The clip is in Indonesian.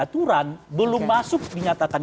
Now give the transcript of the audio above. aturan belum masuk dinyatakan